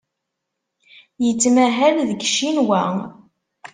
Yettmahal deg Ccinwa.